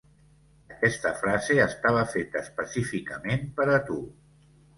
Aquesta frase estava feta específicament per a tu.